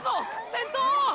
先頭！！